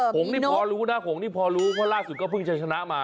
งนี่พอรู้นะผงนี่พอรู้เพราะล่าสุดก็เพิ่งจะชนะมา